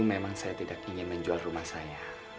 memang saya tidak ingin menjual rumah saya